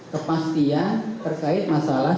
kepastian terkait masalah